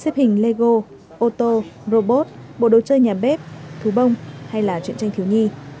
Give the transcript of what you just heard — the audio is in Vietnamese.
xếp hình lego ô tô robot bộ đồ chơi nhà bếp thú bông hay là chuyện tranh thiếu nhi